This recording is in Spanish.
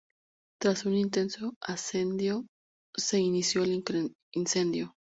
Tras un intenso asedio se inició el incendio.